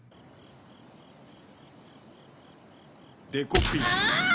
デコピン。